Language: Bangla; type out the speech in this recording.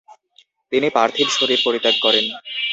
তিনি পার্থিব শরীর পরিত্যাগ করেন।